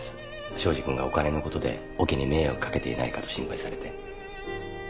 庄司君がお金のことでオケに迷惑かけていないかと心配されて。